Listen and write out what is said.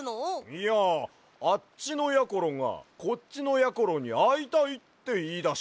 いやあっちのやころがこっちのやころにあいたいっていいだしてな。